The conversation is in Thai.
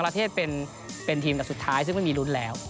เพราะว่าบางการาเทศเป็นทีมสุดท้ายซึ่งไม่มีลุ้นแล้ว